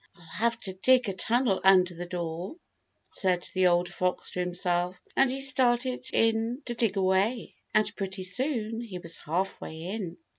"I'll have to dig a tunnel under the door," said the old fox to himself, and he started in to dig away, and pretty soon he was half way in.